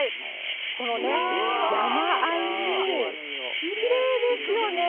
このね、山あいにきれいですよね。